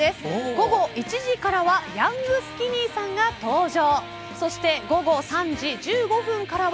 午後１時からはヤングスキニーさんが登場